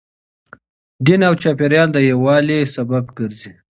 دین او چاپیریال د یووالي لامل ګرځي.